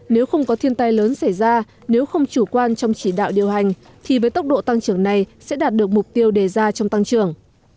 nếu không có thiên tai lớn xảy ra nếu không chủ quan trong chỉ đạo điều hành thì với tốc độ tăng trưởng này sẽ đạt được mục tiêu đề ra trong tăng trưởng